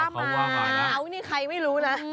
เขาว่ามา